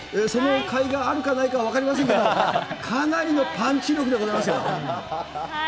そのかいがあるかないか、分かりませんけれども、かなりのパンチ力でございますよ。